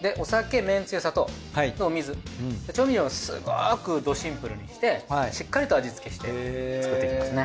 調味料はすごくどシンプルにしてしっかりと味付けして作っていきますね。